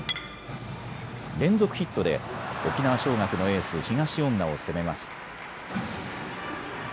連続ヒットで沖縄尚学のエース、東恩納を攻めます。